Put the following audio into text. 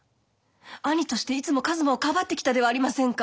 兄としていつも一馬をかばってきたではありませんか！